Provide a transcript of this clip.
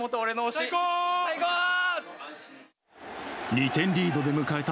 ２点リードで迎えた